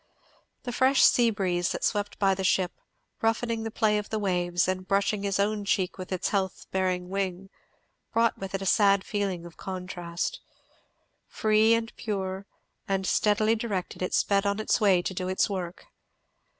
The fresh sea breeze that swept by the ship, roughening the play of the waves, and brushing his own cheek with its health bearing wing, brought with it a sad feeling of contrast. Free, and pure, and steadily directed, it sped on its way, to do its work.